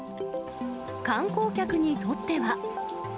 観光客にとっては。